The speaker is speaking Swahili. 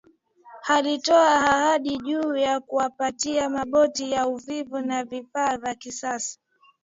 Alitoa ahadi juu ya kuwapatia maboti ya uvuvi na vifaa vya kisasa